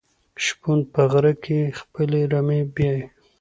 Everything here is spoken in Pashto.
شپون په غره کې خپلې رمې پيايي.